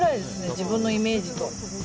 自分のイメージと。